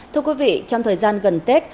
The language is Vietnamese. thưa quý vị trong thời gian gần tết